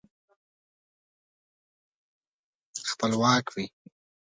خپلواک وي.